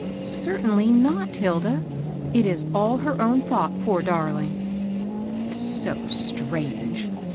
"^ Certainly not^ Hilda. It is all her own thought, poor darling." " So strange